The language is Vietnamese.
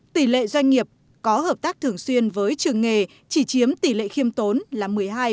tỷ lệ doanh nghiệp có hợp tác thường xuyên với trường nghề chỉ chiếm tỷ lệ khiêm tốn là một mươi hai